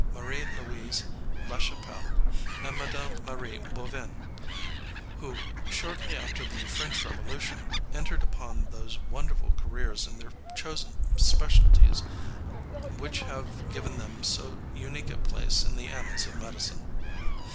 Marie Louise La Chapelle and Mme. Marie Bovin, who, shortly after the French Revolution, entered upon those wonderful careers in their chosen specialties which have given them so unique a place in the annals of medicine.